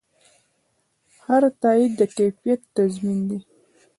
هر تایید د کیفیت تضمین دی.